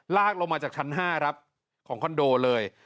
ลากลงมาจากชั้น๕ครับของคอนโดเลย